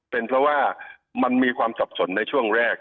เป็นเพราะว่ามันมีความสับสนในช่วงแรก